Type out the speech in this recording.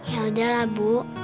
ya udahlah bu